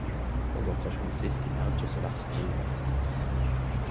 Og Operasjon Siskin er ikkje så verst skrive.